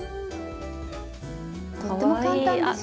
とっても簡単でしょ。